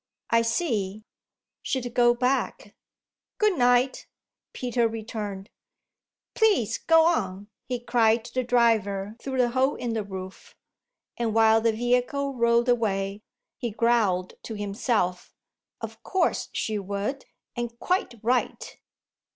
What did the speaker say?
"I see she'd go back good night," Peter returned. "Please go on!" he cried to the driver through the hole in the roof. And while the vehicle rolled away he growled to himself: "Of course she would and quite right!"